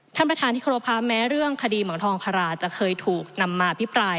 ท่านประธานที่ครบค่ะแม้เรื่องคดีเหมืองทองคาราจะเคยถูกนำมาพิปราย